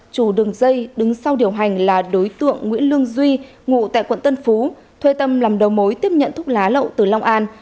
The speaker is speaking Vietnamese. chủ đường dây đứng sau điều hành là đối tượng nguyễn lương duy ngụ tại quận tân phú thuê tâm làm đầu mối tiếp nhận thuốc lá lậu từ long an